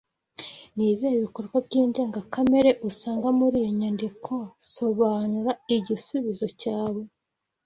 Ni ibihe bikorwa by’indengakamere usanga muri iyo myandiko Sobanura igisubizo cyawe